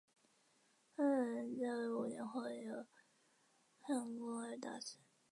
八剌本人在位五年后因受金帐汗攻打而死。